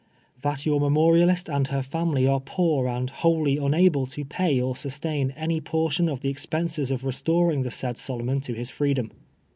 That your memorialist and her taiiiily arc poor and wholly imable to pay or sustain any portion of the expenses of restor ing the Siiid Solomon to his freedom.